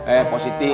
eh pak siti